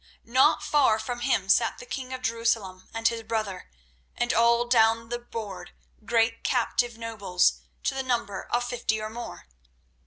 Not far from him sat the king of Jerusalem and his brother, and all down the board great captive nobles, to the number of fifty or more.